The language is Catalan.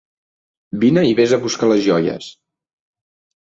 Vine i vés a buscar les joies.